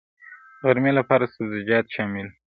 د غرمې لپاره سبزيجات شامل وو.